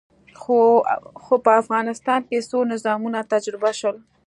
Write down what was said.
خو په افغانستان کې څو نظامونه تجربه شول.